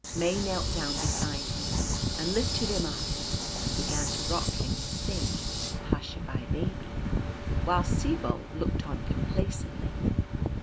May knelt down beside him, and lifted him up, and began to rock him, and sing " Hush a bye, baby," whilst Sibold looked on complacently.